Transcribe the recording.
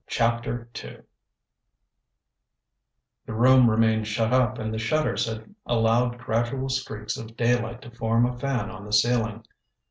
CHAPTER II The room remained shut up and the shutters had allowed gradual streaks of daylight to form a fan on the ceiling.